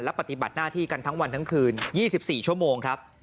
ปฏิบัติหน้าที่กันทั้งวันทั้งคืน๒๔ชั่วโมงครับ